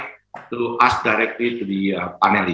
untuk bertanya langsung kepada panel